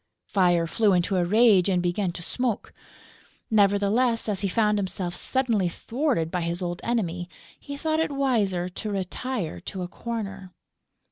Fire flew into a rage and began to smoke. Nevertheless, as he found himself suddenly thwarted by his old enemy, he thought it wiser to retire to a corner.